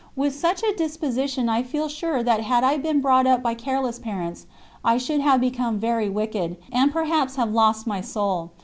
With such a disposition I feel sure that had I been brought up by careless parents I should have become very wicked, and perhaps have lost my soul.